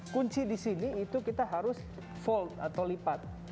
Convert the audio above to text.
kunci di sini itu kita harus volt atau lipat